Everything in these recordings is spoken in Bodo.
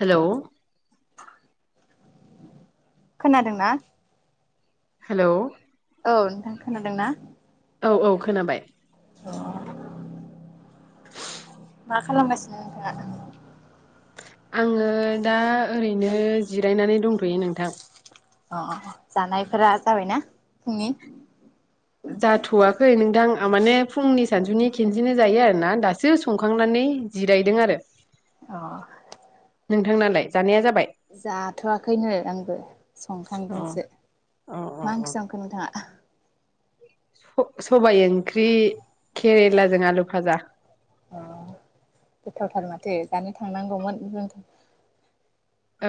हेलौ खोनादों ना? हेलौ औ नोंथां खोनादों ना? औ औ खोनाबाय अ मा खालामगासिनो नोंथाङा? आङो दा ओरैनो जिरायनानै दंथ'यो नोंथां। अ जानायफोरा जाबाय ना फुंनि? जाथ'वाखै नोंथां माने फुंनि सानसुनि खेनसेनो जायो आरो ना दासो संखांनानै जिरायदों आरो अ नोंथांनालाय जानाया जा जाथ'वाखैनो आंबो अ संखांदोंसो। अ मा ओंख्रि संखो नोंथाङा? स-सबाय ओंख्रि खेरेलाजों आलु भाजा। अ गोथावथार माथो जानो थांनांगौमोन [unintelligible]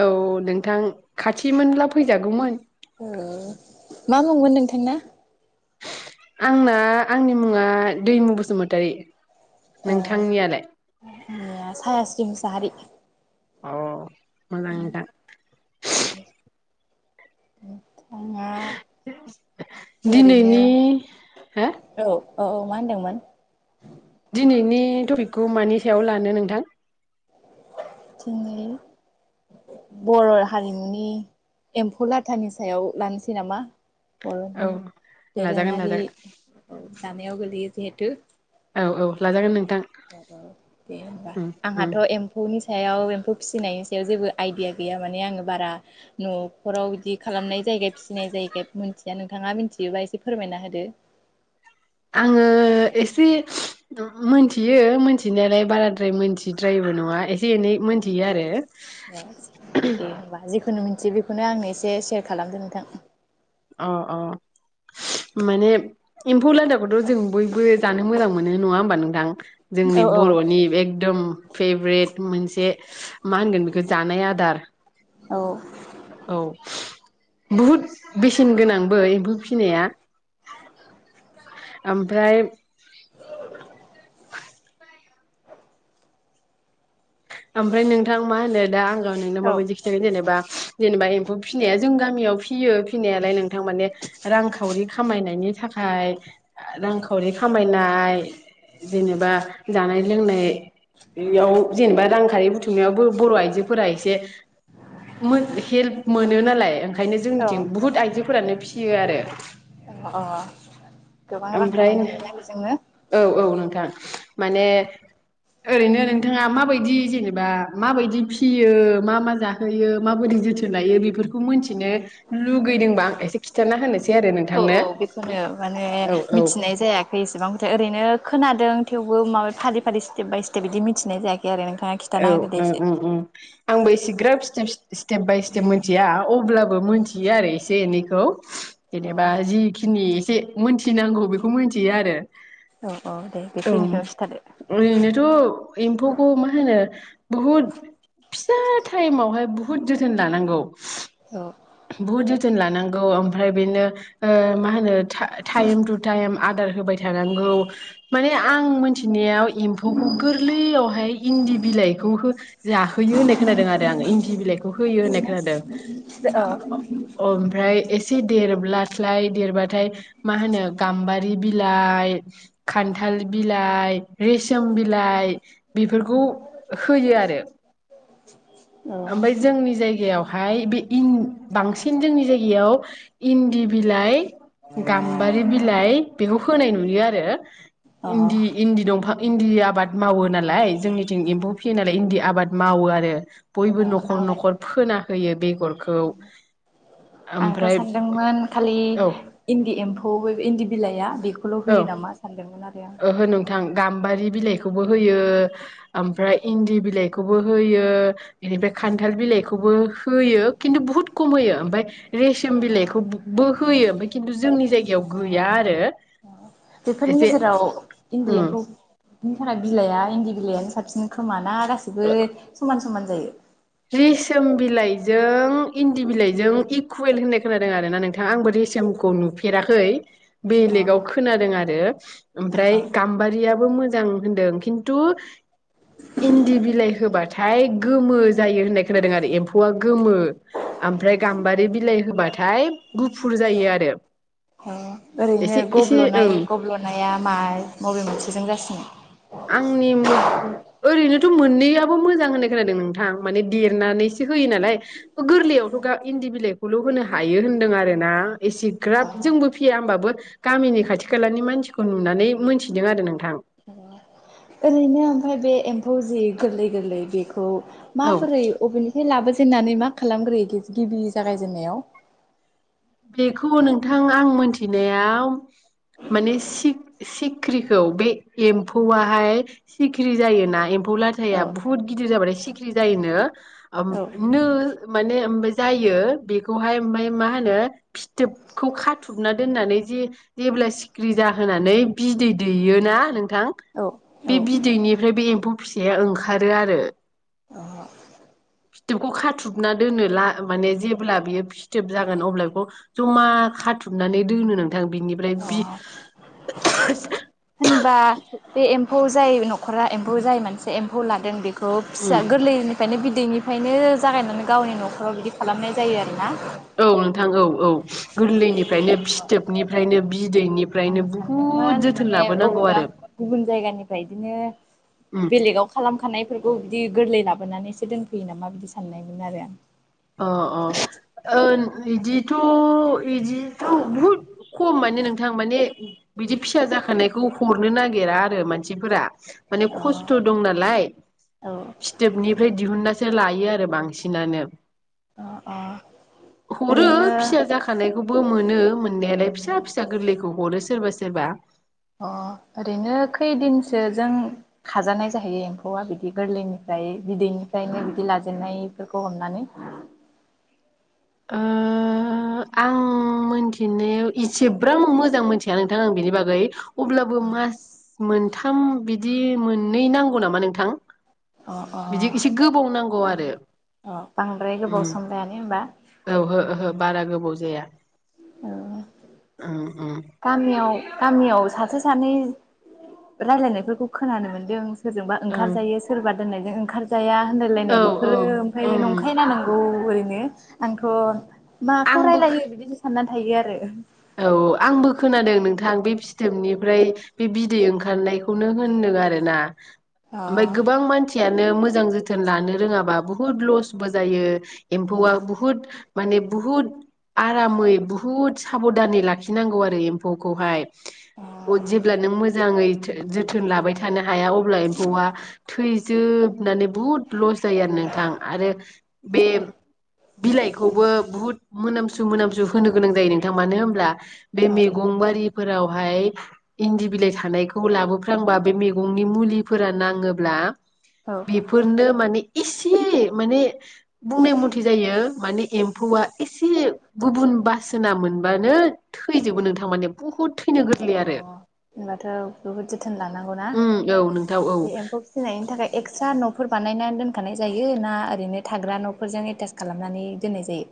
औ नोंथां खाथिमोनब्ला फैजागौमोन दंमोन नोंथां ना? आंना आंनि मुङा दैमु बसुमतारी नोंथांनियालाय साहास्रि मुसाहारि औ मोजां नोंथां उम आंना ओरैनो दिनैनि हो औ औ औ मा होनदोंमोन दिनैनि टपिकखौ मानि सायाव लानो नोंथां दिनै बर' हारिमुनि एम्फौ लाथानि सायाव लानोसै नामा औ बर'नि लाजागोन दोरोङारि लाजागोन औ जानायाव गोलैयो जिहेतु औ औ लाजागोन नों औ औ दे होनबा उम आंहाथ' एम्फौनि सायाव एम्फौ फिसिनायनि सायाव जेबो आइदिया गैया माने आङो बारा न'फोराव बिदि खालामनाय जायिखाय फिसिनाय जायिखाय मिथिया नोंथाङा मिथियोबा एसे फोरमायना होदो आङो एसे मोनथियो मोनथिनायालाय बाराद्राय मोनथिद्रायिबो नङा एसे एसे एनै मोनथियो आरो फनो मोनथियो बेखौनो आंनो एसे सेयार खालामदो नोंथां अ अ माने एम्फौ लाथाखौथ' जों बयबो जानो मोजां मोनो नङा होमबा नोंथां औ जोंनि औ बर'नि एकदम फेभरेट मोनसे मा होनगोन बेखौ जानाय आदार औ औ बहुद बेसेन गोनांबो एम्फौ फिसिनाया ओमफ्राय [inaudible] ओमफ्राय नोंथां मा होनो दा आं नोंनो औ माबायदि खिथागोन जेनेबा जेनेबा एम्फौ फिसिनाया जों गामियाव फियो फिनायालाय नोंथां माने रांखावरि खामायनायनि थाखाय रांखावरि खामायनाय जेनेबा जानाय लोंनायाव जेनेबा रांखारि बुथुमनायावबो बर' आइजोफोरा एसेमोन हेल्प मोनो नालाय। ओंखायनो औ जोंनिथिं बुहुद आइजो फोरानो फिसियो आरो। अ अ गोबां रां ओमफ्राय खामायनो हायोना बेजोंनो। औ औ नोंथां माने ओरैनो नोंथाङा माबायदि जेनेबा मााबायदि फिसियो मा मा जाहोयो माबोरै जोथोन लायो बेफोरखौ मिथिनो लुुबैदोंबा आं एसे खिन्थाना होनोसै। आरो औ नोंथांनो औ बेखौनो माने औ औ मिथिनाय जायाखै एसेबां खोथा ओरैनो खोनादों थेवबो माबा फारि फारि स्टेप बाय स्टेप बिदि मिथिनाय जायाखै। आरो नोंथाङा औ खिन्थाना होदो दे एसे औ आंबो एसेग्राब स्टेप स्टेप बाय स्टेप मिथिया अब्लाबो मिथियो आरो एसे एनैखौ। अ जेनेबा जिखिनि एसे मोनथि थिनांगौ बेखौ मिथियो आरो औ औ दे औ बेखिनिखौनो खिथादो ओरैनोथ' एम्फौखौ मा होनो बहुद फिसा टाइमावहाय बुहुद जोथोन लानांगौ। औ बहुद जोथोन लानांगौ ओमफ्राय बेनो ओ मा होनो टा टाइम टु टाइम आदार होबाय थानां औ माने आं मोनथिनायाव एम्फौखौ गोरलैयावहाय इन्दि बिलाइखौ हो जाहोयो होननाय खोनादों आरो आं इन्दि बिलाइखौ होयो होननाय खोनादों। अ औ ओमफ्राय एसे देरोब्ला फ्राय देरबाथाय माहोनो गमबारि बिलाय खनथाल रेसम बिलाय बिफ फोरखौ होयो आरो ओमफ्राय जोंनि जायगायाव। हाय बि इन बांसिन जोंनि जायगायाव इन्दि बिलाइ गाम्बारि बिलाइ बेखौ फोनाय नुयो आरो औ इन्दि इन्दि दमफां इन्दि आबाद मावो नालाय जोंनिथिं एम्फौ फियो नालाय इन्दि आबाद मावो आरो बयबो अ न'खर आंलाय न'खर फोना फोयो बेगर आंथ' सानदोंमोन खालि औ इन्दि एम्फ अ बे इन्दि बिलाइआ बेख बेखौल' औ होयो नामा सानदोंमोन आरो आं ओहो नोंथां गाम्बारि बिलाइखौबो होयो ओमफ्राय इन्दि बिलाइखौबो होयो बेनिफ्राय खान्थाल बिलाइखौबो होयो खिन्थु बुहुत खम होयो ओमफ्राय रेसम बिलाइखौबो होयो ओमफ्राय खिन्थु जोंनि जाय याव गैया आरो बेफोरनि एसे गेजेराव इन्दि उम एम्फौ बिनि थाखाय बिलाइआ इन्दि बिलाइानो साबसिन खोमान ना गासिबो समान समान जायो रेसोम बिलाइजो ओ इन्दि बिलाइजों इकुवेल होननाय खोनादों आरना नोंथाङा आंबो रेसमखौ नुफेराखै बेलेगाव खोनादों आरो अ ओमफ्राय गाम्बारिया बो मोजां होनदों खिन्थु इन्दि बिलाइ होबाथाय गोमो जायो होननाय खोनादों आरो एम्फौआ गोमो ओमफ्राय गाम्बारि बिलाइ होबाथाय गुफुर औ जायो आरो औ ओरैनो एसे एसे गब्ल'नाय ओं गब्ल'नाया मा बबे मोनसेजों जासिनो आंनि म ओरै ओरैनोथ' मोननैयाबो मोजां होननाय खोनादों नोंथां माने देरनानैसो होयो नालाय गोरलैयावथ' ग इन्दि बिलाइखौल' होनो हायो होनदों आरोना एसे ग्राब जोंबो फैया होमब गामिनि खाथि खालानि मानसिखौ नुनानै मोनथिदों आरो नोंथां ओरैनो ओमफ्राय बे एम्फौ जि गोरलै गोरलै बेखौ औ माबोरै अबेनिफ्राय लाबो दोननानै मा खालामग्रोयो गिबि जागायजेननायाव बेखौ नोंथां आं मोनथिनायाव माने सिख्रिखौ बे एम्फौआहाय सिखिरि जायोना एमफौ थ औ लाथाया बहुत गदिर जाबाथाय सि ख्रि जायोनो आम औ नो माने ओमफ्राय जायो बेखौहाय ओमफ्राय मा होनो फिथोबखौ खाथुबना दोननानै जे जेब्ला सिखिरि जाहोनानै बिदै दैयोना नोंथां औ बे औ बिदैनिफ्राय बे एम्फौ फिसाया ओंखारो आरो फिथोबखौ खाथुबना दोनो माने जेब्ला बियो फिथोब जागोन अब्ला बेखौ जमा खाथुबनानै दोनो नोंथां बिनिफ्राय बि होनबा बे एम्फौ जाय न'रा एम्फौ जाय मोनसे एम्फौ लादों बे खौ उम फिसा गोरलैनिफ्रायनो बि उन्दैनिफ्रायनो जागायनानै गावनि न'खराव बिदि खालामनाय जायो आरोना औ नोंथां औ औ गोरलैनि फ्रायनो फिथोबनिफ्रायनो आं बिदैनिफ्रायनो बुहुद सानदोंमोन जोथोन माने लाबोनांगौ अबेबा आरो गुबुन जायगानिफ्राय बिदिनो उम बेलेगाव खालामखानायफोर खौ बिदि गोरलै लाबोनानै एसे दोनफैयो नामा बिदि साननायमोन आरो आं अ अ ओ इदिथ' इदिथ' बहुद खम माने नोंथां माने बिदि फिसा जाखानायखौ हरनो नागिरा आरो मानसिफोरा माने आं खस्थ' दं नालाय अ औ फिथोबनिफ्राय दिहुननासो लायो थायो आरो बांसिनानो अ अ हरो ओरैनो फिसा जाखानायखौ बो मोनो मोनायालाय फिसा फिसा गोरलैखौ हरो सोरबा सोरबा अ ओरैनो खैदिनसो जों खाजानाय जाहैयो एम्फौआ बिदि गोरलैनिफ्राय बिदैनिफ्रायनो बिदि लाजेननायफोरखौ हमनानै आं मिथिनायाव एसेब्रां मोजां मोनथिया नोंथां आं बिनि बागै अब्लाबो मास मोनथाम बिदि दि मोननै नांगौ नामा नोंथां अ अ अ बिदि एसे गोबाव नांगौ बां आरो अ बांद्राय गोबाव उम समलायानो होनबा औ ओहो ओहो बारा गोबाव जाया ओं गामियाव गामियाव सासे सानै रायलायनायफोरखौ खोनानो मोन्दों सोरजोंबा ओं ओंखारजायो सोरबा दोननायजों ओंखारजाया आनदायलायनाय औ औ बेफोरो ओमफ्राय उम नंखाय ना नांगौ [inaudible] माखौ आंबो रायलायो बिदिनो साननानै थायो आरो औ आंबो खोनादों नोंथां बे फिथोबनिफ्राय बे बिदै ओंखारनायखौनो होनदों आरोना ओमफाय अ गोबां मानसियानो मोजां जोथोन लानो रोङाबा बु बहुद लसबो जायो एम्फौआ बुहुद माने बुहुत आरामै बुहुत खाबदानै लाखिनांगौ आरो एम्फौखौहाय जेब्ला नों मोजाङै जोथोन लाबाय थानो हाया अब्ला एम्फौआ थैजो जोबनानै बुहुद लस जायो आरो नोंथां आरो बे बिलाइखौबो बुहुद मोनामसु मोनामसु होनो गोनां जायो नों मानो होनोब्ला बे मेगं बारि फोरावहाय इन्दि बिलाइ थानायखौ लाबो फ्लांबा बे मैगंनि मुलिफोरा नाङोब्ला औ बेफोरनो माने इस एसे माने बुंनाय मथे जायो माने एम्फौआ एसे गुबुन बासोना मोन बानो अ अ आरो होनबाथ' बहुद जोथोन लानांगौना उम औ नोंथां औ बे एम्फौ फिसिनायनि थाखाय एक्स्रा न' फोर बानायनानै दोनखानाय जायो ना ओरैनो थाग्रा न'फोरजों एटास खालामनानै दोननाय जायो।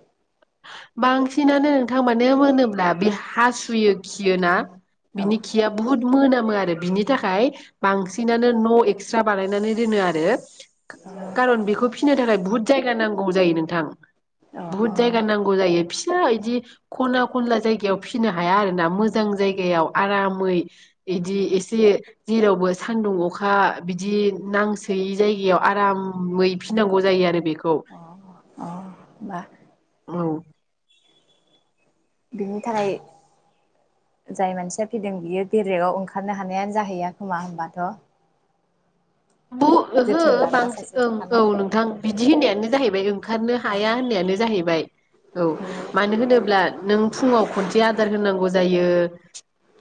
बांसिनानो नोंथां मानो होनोब्ला बे हासुयो खियो ना। औ बिनि खिया बुहुत मोनामो आरो। बिनि थाखाय बांसिन बांसिननो न' एक्सट्रा बानायनानै दोनो आरो खारन बेखौ फिसिनो थाखाय बुहुद जायगा नांगौ। औ जायो नोंथां। अ अ ग जायो फिसा बिदि खनला खनला जायगायाव फिसिनो हाया आरो ना। मोजां जायगायाव आराम मै बिदि एसे जेरावबो सानदुं अखा बिदि नांसोयै जायगायाव आरामै फिननांगौ जायो आरो बेखौ अ अ बा औ बिनि थाखाय जाय मानसिया फैदों बियो बेरेगाव ओंखारनो हानायानो जाहैया खोमा होनोमबाथ' ब ओहो लाग्रा सासे बांसिन ओं औ थाखानाय नोंथां बिदि होननायानो जाहैबाय ओंखारनो औ हाया होननायानो जाहैबाय औ मानो होनोब्ला नों फुङाव खनसे आदार होनांगौ जायो।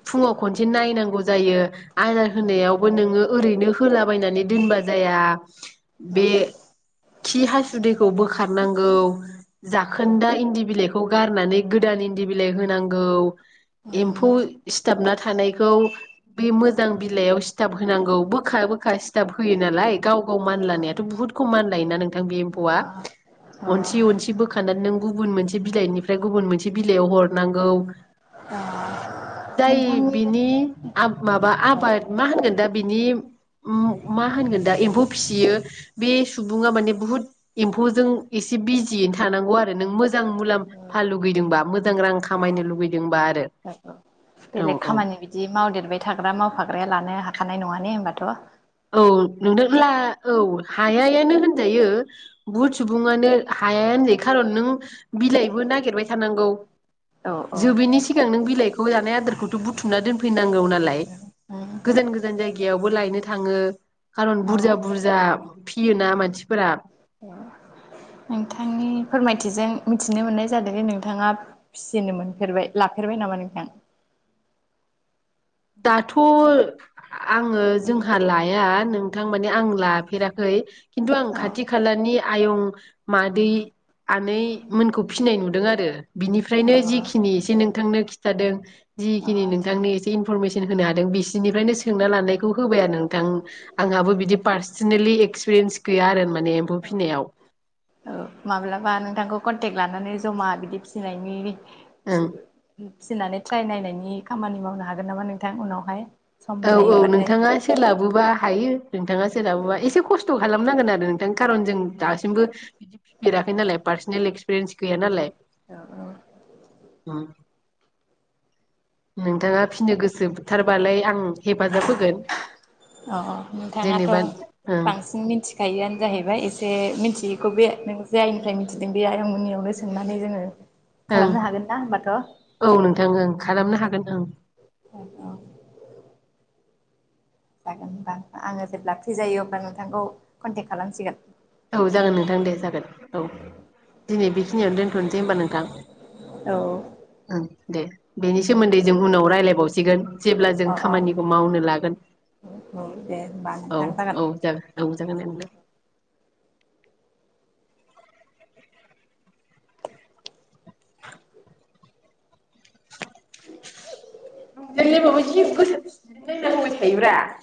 फुङाव खनसे नायनांगौ जायो। आदार होनायावबो नोङो ओरैनो होला बायनानै दोनबा जाया औ बे खि हासुदैखौ बोखारनांगौ जाखोन्दा इन्दि बिलाइखौ गारनानै गोदान इन- दि बिलाइ होनांगौ एम्फौ सिथाबना थानायखौ बे मोजां बिलाइयाव सिथाब होनांगौ बोखा बो खा सिथाब होयो नालाय गाव गाव औ मानलानायाथ' बुहुत खम मानलायोना नों थां बे एम्फौआ अनसि अनसि बोखानांगौ गुबुन मोनसे बिलाइनिफ्राय गुबुन मोनसे बिलाइयाव हरनांगौ जाय नोंथांनि बिनि माबा आबाद मा होनगोन दा बिनि मा होनगोन दा एम्फौ फिसियो बे सुबुङा माने बुहुद एम्फौजों एसे बिजियैनो थानांगौ आरो नों मोजां मुलाम्फा लुगैदोंबा मोजां रां खामायनो लुगैदोंबा आरो औ बेलेग औ खामानि बिदि मावदेरबाय थाग्रा मावफाग्राया लानो हाखानाय नङा ने बाथ' औ नोंथ' औ हायायानो होनजायो बहुद सुबुङानो हाया होनजायो खारन नों बिलाइबो नागिरबाय थानांगौ औ जोबिनि सि सिगां नों बिलाइखौ जानाय आदारखौथ' बुथुमना दोनफैनांगौ नालाय गोजान गोजान जायगायावबो लायनो थाङो खारन औ बुरजा बुरजा फियोना मानसिफोरा नोंथांनि फोरमायथिजों मिथिनो मोननाय जादों जे नोंथाङा फिसिनो मोनफेरबाय लाफेरबाय नामा नोंथां? दाथ' आङो जोंहा लाया नोंथां माने आं लाफेराखै खिनथु आं औ खाथि खालानि आयं मादै आनै मोनखौ फिनाय नुदों आरो बिनिफ्रायनो जिखिनि एसे नोंथांनो खिथादों जिखिनि नोंथांनो एसे इन फरमेसन होनो हादों बिसिनिफ्रायनो सोंना लानायखौ होबाय आरो नोंथां आंहाबो बिदि पार्सनेलि एक्सपिरियेन्स गैया आरो माने एम्फौ फिनायाव। औ माब्लाबा नोंथांखौ कन्टेक्ट लानानै जमा बिदि फिसिनायनि ओं फिसिनानै ट्राइ नायनायनि खामानि मावनो हागोन नामा नोंथां उनावहाय सम औ औ मिलायोबाथाय नोंथाङा सोलाबोबा हायो नोंथाङा सोलाबोबा एसे औ खस्थ' खालामनांगोन आरो नोंथांनि खारन जों दासिमबो बिदि फिफेराखै नालाय पार्सनेल एक्सपिरियेन्स गैया नालाय। उम नोंथाङा फिनो गोसोथारबालाय आं हेफाजाब होगोन। अ नोंथाङाथ' जेनेबा ओं बांसिन मिथिखायोआनो जाहैबाय एसे मिथि बेखौ बे नों जे आइनिफ्राय मिथिदों बे आयंमोननियावनो सोंनानै जोङो ओं खालामनो हागोन ना होमबाथ' औ नोंथां ओं खालामनो हागोन। औ औ औ जागोन होमबा आङो जेब्ला फ्रि जायो अब्ला नोंथांखौ कन्टेक खालामसिगोन। औ जागोन नोंथां दे जागोन औ दिनै बेखिनियावनो दोनथ'नोसै होनबा नोंथां औ ओं। दे बेनि सोमोन्दै जों उनाव रायलायबावसिगोन। जेब्ला जों अ अ खामानिखौ मावनो लागोन औ दे होमबा औ नोंथां औ जागोन औ जागोन दे नोंथां [unintelligible]